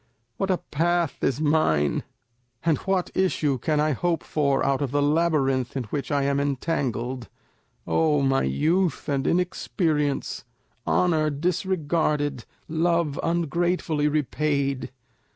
What a path is mine; and what issue can I hope for out of the labyrinth in which I am entangled? O my youth and inexperience! Honour disregarded! Love ungratefully repaid!